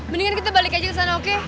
mendingan kita balik aja ke sana oke